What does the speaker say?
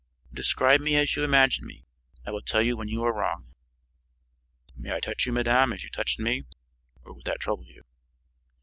"Describe me as you imagine me. I will tell you when you are wrong." "May I touch you, madame, as you touched me? Or would that trouble you?"